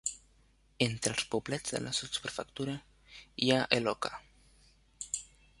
Entre els poblets de la sotsprefectura hi ha Eloka.